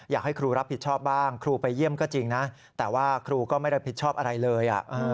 อยากให้ครูรับผิดชอบบ้างครูไปเยี่ยมก็จริงนะแต่ว่าครูก็ไม่รับผิดชอบอะไรเลย